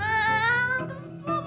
maya juga menolong orangnya